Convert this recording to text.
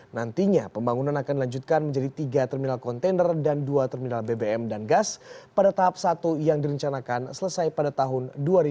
nantinya pembangunan akan dilanjutkan menjadi tiga terminal kontainer dan dua terminal bbm dan gas pada tahap satu yang direncanakan selesai pada tahun dua ribu dua puluh